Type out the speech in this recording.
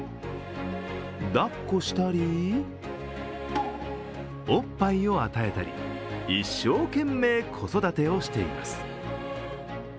抱っこしたり、おっぱいを与えたり一生懸命、子育てをしています。